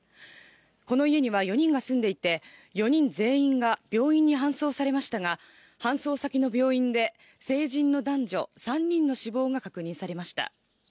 この家には４人が住んでいて、４人全員が病院に搬送されましたが、搬送先の病院で成人の男女３人の死亡が確認されました。